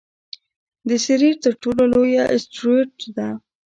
د سیریز تر ټولو لویه اسټرويډ ده.